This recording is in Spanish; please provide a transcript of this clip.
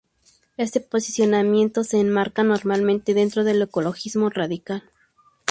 Este posicionamiento se enmarca normalmente dentro del ecologismo radical.